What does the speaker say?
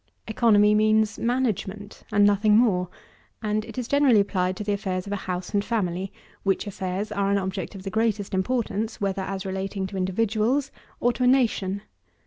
3. ECONOMY means management, and nothing more; and it is generally applied to the affairs of a house and family, which affairs are an object of the greatest importance, whether as relating to individuals or to a nation.